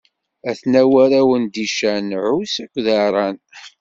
A-ten-an warraw n Dican: Ɛuṣ akked Aran.